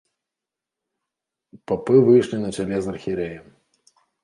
Папы выйшлі на чале з архірэем.